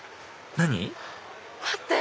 何？